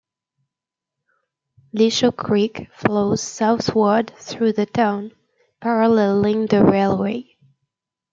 Lichau Creek flows southward through the town, paralleling the railway.